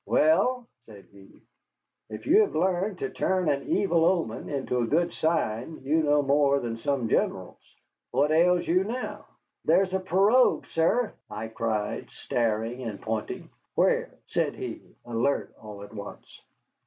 "Well," said he, "if you have learned to turn an evil omen into a good sign, you know more than some generals. What ails you now?" "There's a pirogue, sir," I cried, staring and pointing. "Where?" said he, alert all at once.